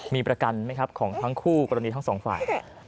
มีประกันไหมครับของทั้งคู่กรณีทั้งสองฝ่าย